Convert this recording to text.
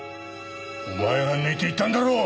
お前が抜いていったんだろう！？